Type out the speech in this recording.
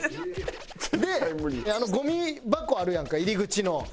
でゴミ箱あるやんか入り口の。